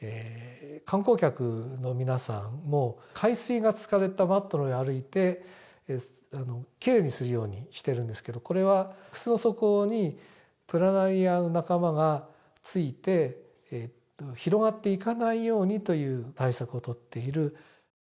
観光客の皆さんも海水が使われたマットの上を歩いてきれいにするようにしているんですけどこれは靴の底にプラナリアの仲間がついて広がっていかないようにという対策を取っている。